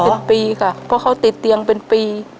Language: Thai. เป็นปีค่ะเพราะเขาติดเตียงเป็นปี